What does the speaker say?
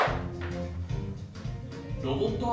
ロボット